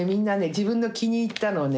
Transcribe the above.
自分の気に入ったのをね